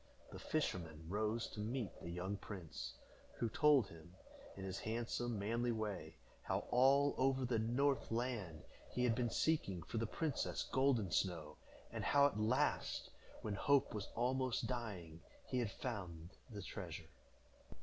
The fisherman rose to meet the young prince, who told him, in his handsome, manly way, how all over the north land he had been seeking for the princess Golden Snow; and how at last, when hope was almost dying, he had found the treasure.